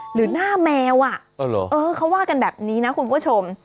หรือหน้าแมวเขาว่ากันแบบนี้นะคุณผู้ชม